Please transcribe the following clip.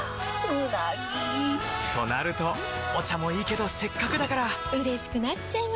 うなぎ！となるとお茶もいいけどせっかくだからうれしくなっちゃいますか！